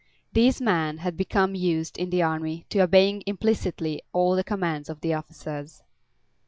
These men had become used, in the army, to obeying implicitly all the commands of the officers.